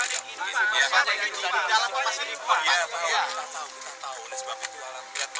jadi ini memang